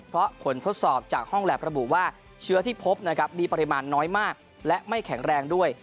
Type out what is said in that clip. เพราะผลทดสอบจากห้องแล็บระบุว่าเชื้อที่พบนะครับมีปริมาณน้อยมากและไม่แข็งแรงด้วย